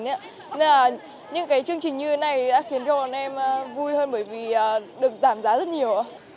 nên là những cái chương trình như thế này đã khiến cho bọn em vui hơn bởi vì được giảm giá rất nhiều